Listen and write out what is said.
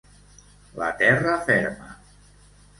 La terra ferma.